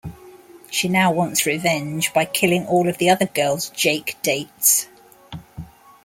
She now wants revenge by killing all of the other girls Jake dates.